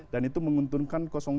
dan itu menguntungkan dua